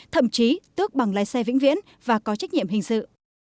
thậm chí tước bằng lái xe vĩnh viễn và có trách nhiệm hình sự